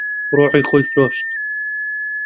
ڕۆحی خۆی فرۆشت.